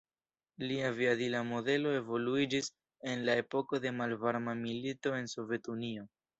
La aviadila modelo evoluiĝis en la epoko de Malvarma Milito en Sovetunio.